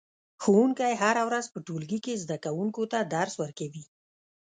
ښوونکی هره ورځ په ټولګي کې زده کوونکو ته درس ورکوي